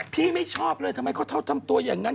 ไม่ชอบเลยทำไมเขาทำตัวอย่างนั้น